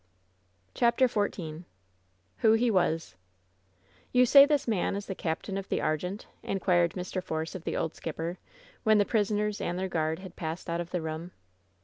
CHAPTER XIV WHO HE WAS "You say this man is the captain of the Argentef^ in quired Mr. Force of the old skipper, when the prisoners and their guard had passed out of the room.